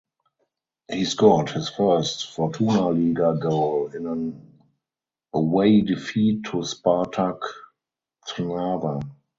He scored his first Fortuna Liga goal in an away defeat to Spartak Trnava.